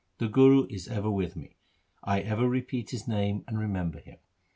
The Guru is ever with me : I ever repeat His name and remember Him.